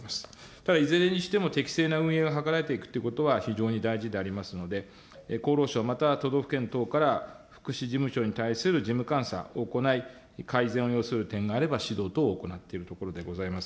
ただ、いずれにしても適正な運営が図られていくということは、非常に大事でありますので、厚労省、または都道府県等から、福祉事務所に対する事務監査を行い、改善を要する点があれば、指導等を行っているところでございます。